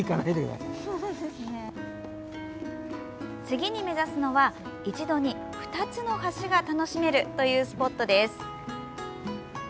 次に目指すのは一度に２つの橋が楽しめるというスポットです。